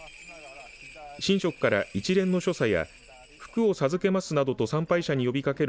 神職から、一連の所作や福を授けますなどと参拝者に呼びかける